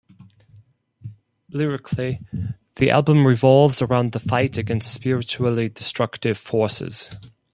Lyrically, the album revolves around the fight against spiritually destructive forces.